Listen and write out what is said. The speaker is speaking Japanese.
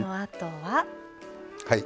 はい。